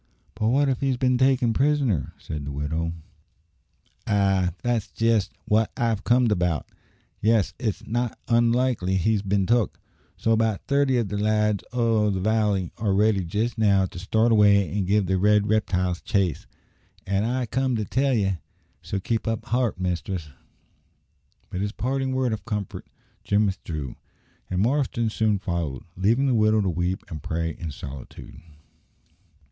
"But what if he's been taken prisoner?" said the widow. "Ay, that's jest wot I've comed about. Ye see it's not onlikely he's bin took; so about thirty o' the lads o' the valley are ready jest now to start away and give the red riptiles chase, an' I come to tell ye; so keep up heart, mistress." With this parting word of comfort, Jim withdrew, and Marston soon followed, leaving the widow to weep and pray in solitude.